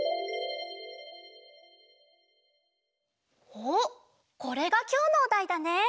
おっこれがきょうのおだいだね。